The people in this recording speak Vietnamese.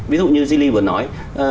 ví dụ như zili vừa nói